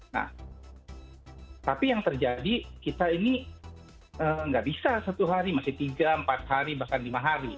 nah tapi yang terjadi kita ini nggak bisa satu hari masih tiga empat hari bahkan lima hari